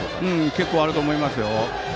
結構あると思いますよ。